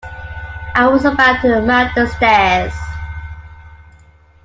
I was about to mount the stairs.